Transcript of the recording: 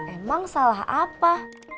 emang salah apa